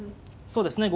そうですね